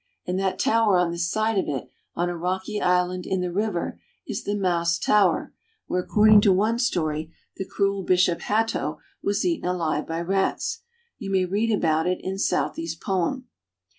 and that tower on this side of it on a rocky island in the river is the Maus Tower, where, according to one story, the cruel Bishop Hatto was eaten alive by rats. You may read about it in Southey's poem.